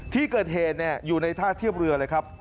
ที่เกิดเหตุอยู่ในท่าเทียบเรือเลยครับ